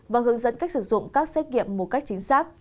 và hướng dẫn cách sử dụng các xét nghiệm một cách chính xác